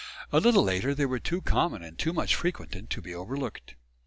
A little later they were too common and too much frequented to be overlooked.